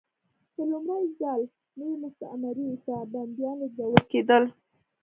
په لومړي ځل نوې مستعمرې ته بندیان لېږدول کېدل.